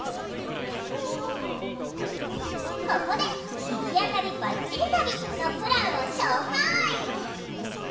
ここで「行き当たりバッチリ旅」のプランを紹介！